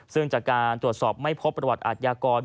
ซึ่งจากการตรวจสอบไม่พบประวัติอาทยากร